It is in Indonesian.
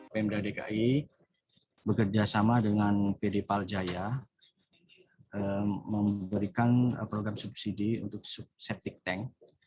pemda dki bekerja sama dengan pd paljaya memberikan program subsidi untuk septic tank